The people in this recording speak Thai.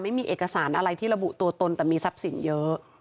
ไม่มีเอกสารอะไรที่ระบุตัวตนแต่มีทรัพย์สินเยอะ